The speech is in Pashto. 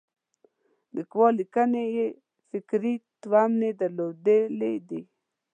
لیکوال لیکنې یې فکري تومنې درلودلې دي.